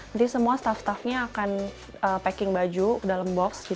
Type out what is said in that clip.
nanti semua staff staffnya akan packing baju ke dalam box